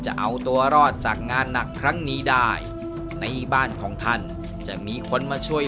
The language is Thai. จะเอาตัวรอดจากงานหนักครั้งนี้ได้ในบ้านของท่านจะมีคนมาช่วย